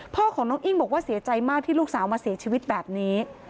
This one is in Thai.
พ่อของน้องอิ้งบอกว่าเสียใจมากที่ลูกสาวมาเสียชีวิตแบบนี้